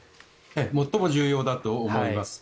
最も重要だと思います。